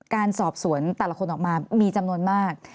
การสอบสวนแต่ละคนออกมามีจำนวนมาก